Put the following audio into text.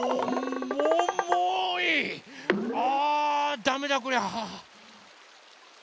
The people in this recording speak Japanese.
あダメだこりゃ。